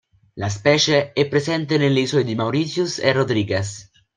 La specie è presente nelle isole di Mauritius e Rodrigues.